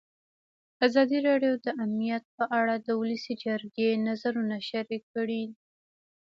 ازادي راډیو د امنیت په اړه د ولسي جرګې نظرونه شریک کړي.